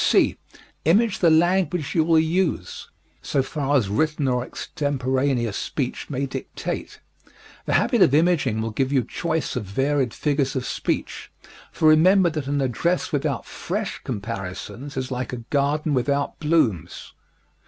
(c) Image the language you will use, so far as written or extemporaneous speech may dictate. The habit of imaging will give you choice of varied figures of speech, for remember that an address without fresh comparisons is like a garden without blooms.